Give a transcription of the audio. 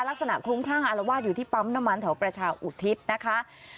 คลุ้มคลั่งอารวาสอยู่ที่ปั๊มน้ำมันแถวประชาอุทิศนะคะ